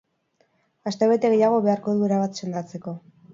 Astebete gehiago beharko du erabat sendatzeko.